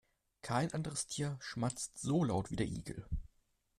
Kein anderes Tier schmatzt so laut wie der Igel.